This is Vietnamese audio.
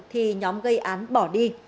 thì nhóm gây án bỏ đi